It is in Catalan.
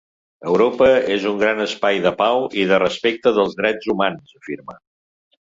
Europa és un gran espai de pau i de respecte dels drets humans, afirma.